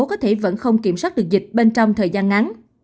có thể vẫn không kiểm soát được dịch bên trong thời gian ngắn